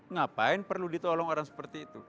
ngapain perlu ditolong orang seperti itu